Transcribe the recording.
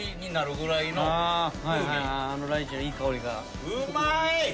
ライチのいい香りが。